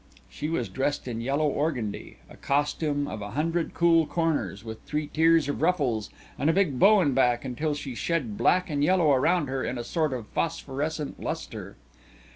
She was dressed in yellow organdie, a costume of a hundred cool corners, with three tiers of ruffles and a big bow in back until she shed black and yellow around her in a sort of phosphorescent lustre.